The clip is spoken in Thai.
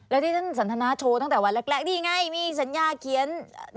แล้วที่ท่านสันทนาโชว์ตั้งแต่วันแรกนี่ไงมีสัญญาเขียน